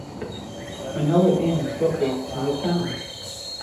Minowa Dam is located in the town.